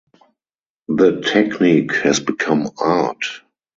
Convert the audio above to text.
The technique has become art.